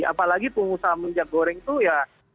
apalagi pengusaha minyak goreng itu ya